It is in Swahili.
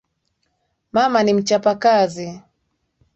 Mama ni mchapa kazi